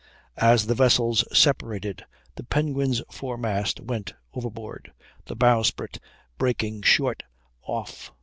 As the vessels separated the Penguin's foremast went overboard, the bowsprit breaking short off.